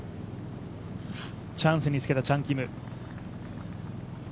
チャンスにつけたチャン・キム。